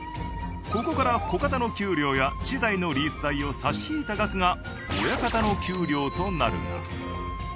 ここから子方の給料や資材のリース代を差し引いた額が親方の給料となるが。